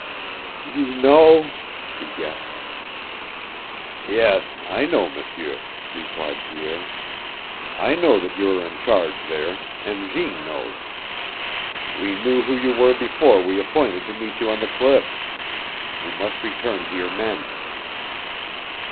"You know " he gasped. "Yes, I know, M'sieur," replied Pierre. "I know that you are in charge there, and Jeanne knows. We knew who you were before we appointed to meet you on the cliff. You must return to your men."